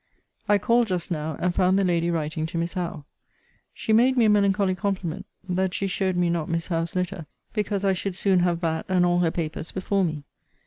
I called just now, and found the lady writing to Miss Howe. She made me a melancholy compliment, that she showed me not Miss Howe's letter, because I should soon have that and all her papers before me.